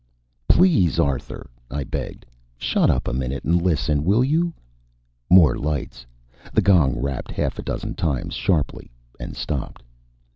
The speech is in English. "Please, Arthur," I begged. "Shut up a minute and listen, will you?" More lights. The gong rapped half a dozen times sharply, and stopped.